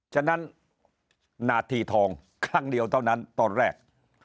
ฉะนั้นนาทีทองข้างเดียวเท่านั้นตอนแรก